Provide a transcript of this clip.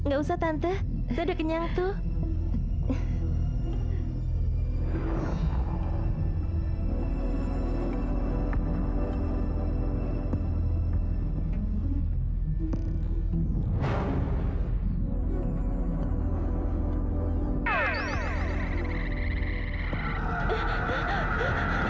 gak usah tante saya udah kenyang tuh